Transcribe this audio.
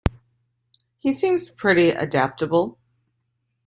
He seems pretty adaptable